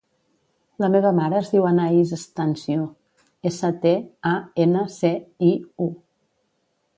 La meva mare es diu Anaís Stanciu: essa, te, a, ena, ce, i, u.